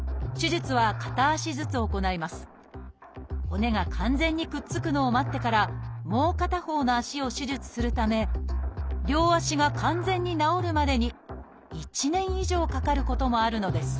骨が完全にくっつくのを待ってからもう片方の足を手術するため両足が完全に治るまでに１年以上かかることもあるのです。